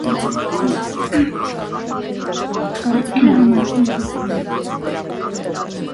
Այնուամենայնիվ, աղջիկներն իրենց նույնականացվում են իրենց մայրերի հետ։